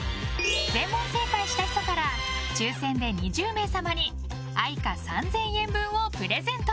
全問正解した人から抽選で２０名様にＡｉｃａ３０００円分をプレゼント。